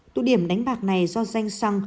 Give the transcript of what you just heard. tụ điểm đánh bạc này do danh xăng